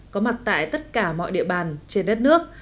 có mặt tại tất cả mọi địa bàn trên đất nước